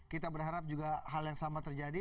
kita berharap juga hal yang sama terjadi